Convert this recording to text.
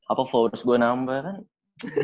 apa followers gua nambah kan